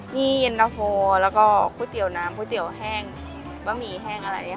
มีเย็นตะโฟแล้วก็ก๋วยเตี๋ยวน้ำก๋วยเตี๋ยวแห้งบะหมี่แห้งอะไรค่ะ